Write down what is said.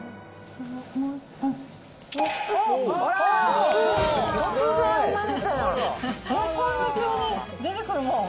こんな急に出てくるもん？